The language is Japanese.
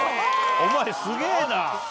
お前すげぇな。